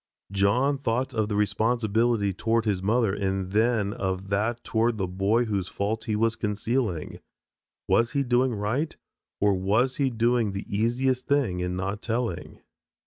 John thought of the responsibility toward his mother and then of that toward the boy whose fault he was concealing. Was he doing right or was he doing the easiest thing in not telling?